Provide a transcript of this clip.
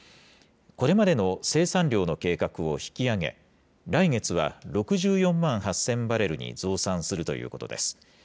これまでの生産量の計画を引き上げ、来月は６４万８０００バレルに増産するということです。